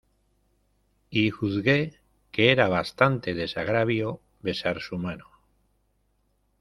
y juzgué que era bastante desagravio besar su mano.